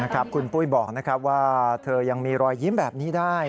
คุณปุ้ยบอกว่าเธอยังมีรอยยิ้มแบบนี้ได้